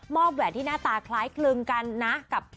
แหวนที่หน้าตาคล้ายคลึงกันนะกับ